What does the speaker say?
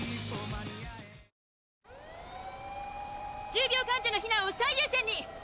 重病患者の避難を最優先に！